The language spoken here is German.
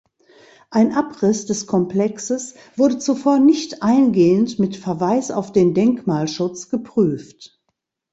Ein Abriss des Komplexes wurde zuvor nicht eingehend mit Verweis auf den Denkmalschutz geprüft.